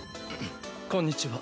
こんにちは。